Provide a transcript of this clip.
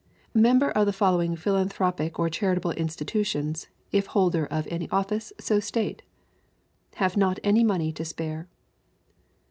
Member of the following philanthropic or chari table institutions (if holder of any office, so state) : Have not any money to spare.